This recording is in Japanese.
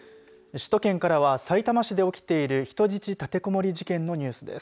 首都圏からは、さいたま市で起きている人質立てこもり事件のニュースです。